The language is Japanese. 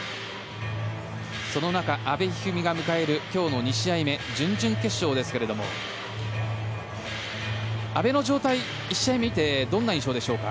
その中阿部一二三が迎える今日の２試合目準々決勝ですけれども阿部の状態、１試合目を見てどうでしょうか。